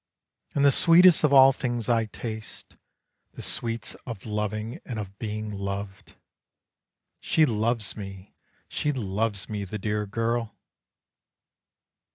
And the sweetest of all things I taste, The sweets of loving and of being loved! "She loves me, she loves me, the dear girl!